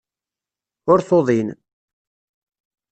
Ur tuḍin.